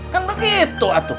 kan begitu atuk